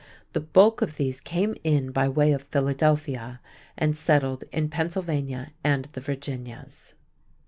The bulk of these came in by way of Philadelphia and settled in Pennsylvania and the Virginias.